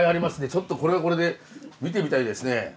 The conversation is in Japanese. ちょっとこれはこれで見てみたいですね。